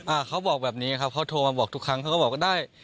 เขาบอกแบบนี้ครับเขาโทรมาบอกทุกครั้งเขาก็บอกว่าได้